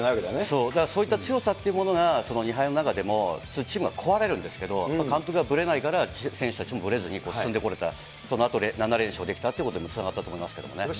だからそういった強さっていうものが、２敗の中でも、チーム壊れるんですけど、やっぱ監督がぶれないから選手たちもぶれずに進んでこれた、そのあと７連勝できたってことにつながったと思いますけどね。